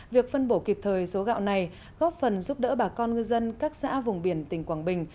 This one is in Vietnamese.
việc phân bổ kịp thời số gạo này góp phần giúp đỡ bà con ngư dân các xã vùng biển tỉnh quảng bình